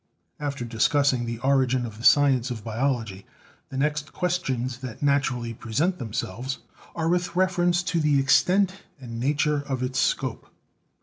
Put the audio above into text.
After discussing the origin of the science of biology, the next questions that naturally present themselves are with reference to the extent and nature of its scope.